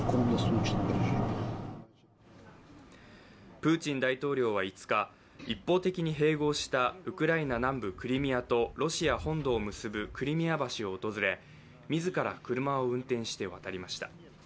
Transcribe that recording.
プーチン大統領は５日、一方的に併合したウクライナ南部クリミアとロシア本土を結ぶクリミア橋を訪れ自ら車を運転して渡りました。